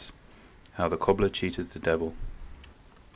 HOW THE COBBLER CHEATED THE DEVIL.